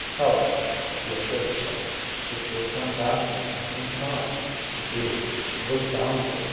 However (he assured himself) it would come back to him in time. Indeed, it was bound to.